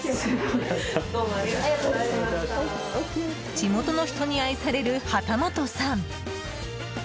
地元の人に愛される幡本さん。